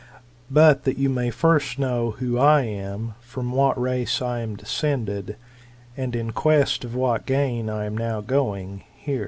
But that you may first know who I am, from what race I am descended, and in quest of what gain I am now going, hear.